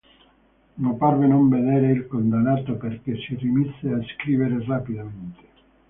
Ma parve non vedere il condannato perché si rimise a scrivere rapidamente.